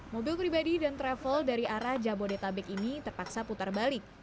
mobil pribadi dan travel dari arah jabodetabek ini terpaksa putar balik